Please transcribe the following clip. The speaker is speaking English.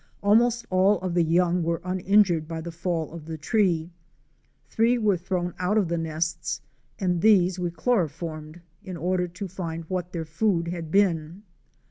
Almost all of the young were uninjured by the fall of the tree. Three were thrown out of the nests and these we chloroformed in order to find what their food had been.